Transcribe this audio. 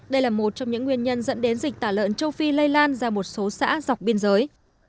đây là một trong những nguyên nhân dẫn đến dịch tả lợn châu phi lây lan ra một số xã dọc biên giới